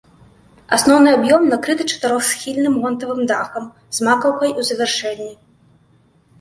Асноўны аб'ём накрыты чатырохсхільным гонтавым дахам з макаўкай у завяршэнні.